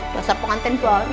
basar pengantin baru